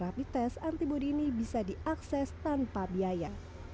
sehingga tes anti budi ini bisa diakses tanpa biaya